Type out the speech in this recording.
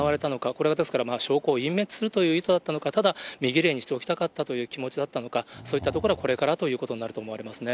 これがですから、証拠を隠滅するという意図だったのか、ただ、身ぎれいにしておきたかったという気持ちだったのか、そういったところはこれからということになるかと思われますね。